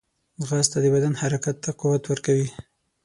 ځغاسته د بدن حرکت ته قوت ورکوي